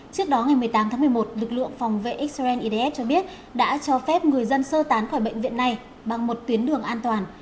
trước đó ngày một mươi tám tháng một mươi một lực lượng phòng vệ israel idf cho biết đã cho phép người dân sơ tán khỏi bệnh viện này bằng một tuyến đường an toàn